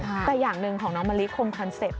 แต่อย่างหนึ่งของน้องมะลิความความรู้สึก